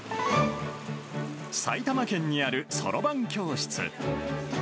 埼玉県にあるそろばん教室。